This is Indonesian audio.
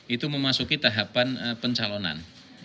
itu memasuki tahapan pencalonan